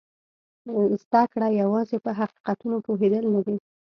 زده کړه یوازې په حقیقتونو پوهېدل نه دي.